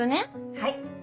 はい！